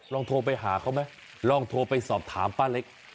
ลองโทรไปหาเขาไหมลองโทรไปสอบถามป้าเล็ก๐๖๕๔๒๐๖๙๓๒